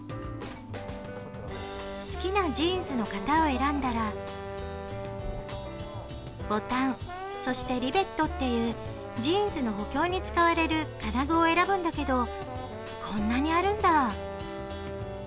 好きなジーンズの型を選んだらボタンそしてリベットっていうジーンズの補強に使われる金具を選ぶんだけどこんなにあるんだ。